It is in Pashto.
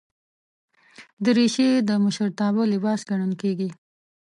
دریشي د مشرتابه لباس ګڼل کېږي.